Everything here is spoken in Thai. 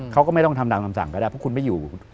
เขาก็ไม่ต้องทำตามคำสั่งก็ได้เพราะคุณไม่อยู่